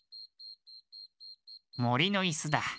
もりのいすだ。